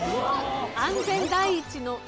「安全第一の」